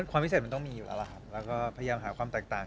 ความพิเศษมันต้องมีหลายแล้วก็พยายามหาความแตกต่าง